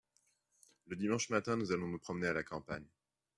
le dimanche matin nous allons nous promener à la campagne.